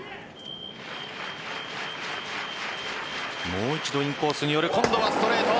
もう一度インコースに寄る今度はストレート。